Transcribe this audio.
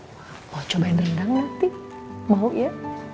mau cobain rendang nanti mau ya